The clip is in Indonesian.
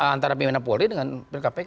antara bimena polri dengan bkpk